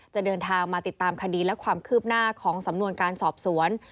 เดินทางมาติดตามคดีและความคืบหน้าของสำนวนการสอบสวน